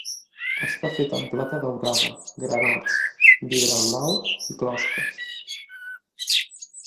Està feta amb plata daurada, granats, vidre blau i closques.